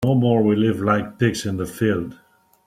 No more we live like pigs in the field.